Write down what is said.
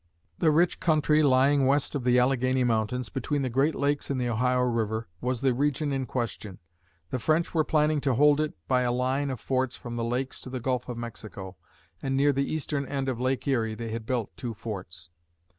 The rich country lying west of the Alleghany Mountains, between the Great Lakes and the Ohio River, was the region in question. The French were planning to hold it by a line of forts from the Lakes to the Gulf of Mexico, and near the eastern end of Lake Erie, they had built two forts.